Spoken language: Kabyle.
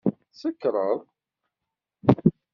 Tsekṛeḍ!